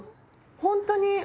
ほんとに！